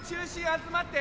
集まって。